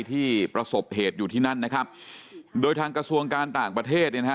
ที่ประสบเหตุอยู่ที่นั่นนะครับโดยทางกระทรวงการต่างประเทศเนี่ยนะฮะ